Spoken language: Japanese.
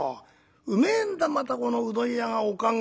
うめえんだまたこのうどん屋がお燗が。